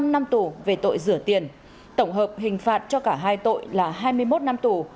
một mươi năm năm tù về tội rửa tiền tổng hợp hình phạt cho cả hai tội là hai mươi một năm tù